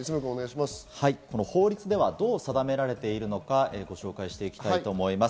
法律ではどう定められているのか、ご紹介していきたいと思います。